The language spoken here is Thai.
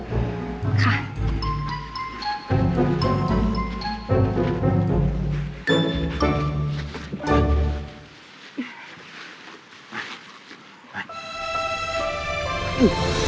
โบว์